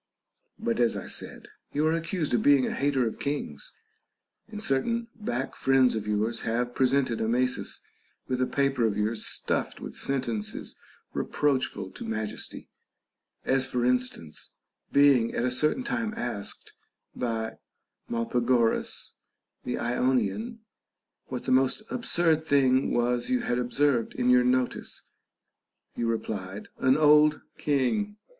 But, as I said, you are accused of being a hater of kings, and certain back friends of yours have presented Amasis with a paper of yours stuffed with sentences reproachful to majesty ; as for instance, being at a certain time asked by Molpagoras the Ionian, what the most absurd thing was you had observed in your notice, you replied, An old king.